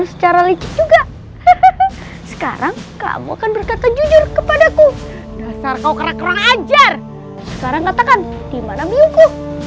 sekarang katakan dimana biungku